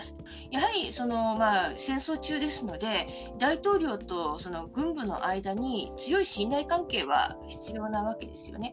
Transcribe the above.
やはり戦争中ですので、大統領とその軍部の間に、強い信頼関係は必要なわけですよね。